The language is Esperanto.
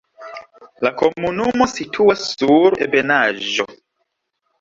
La komunumo situas sur ebenaĵo.